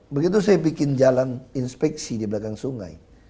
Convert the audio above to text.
begitu saya bikin jalan inspeksi di belakang sungai